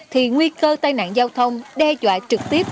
thì nguy cơ tai nạn giao thông đe dọa trực tiếp